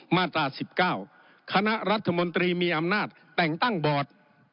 มาตรา๑๙คณะรัฐมนตรีมีอำนาจแต่งตั้งบอร์ด